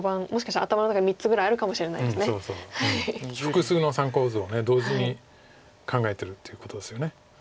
複数の参考図を同時に考えてるっていうことですよね。